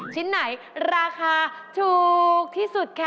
ชิ้นไหนราคาถูกที่สุดคะ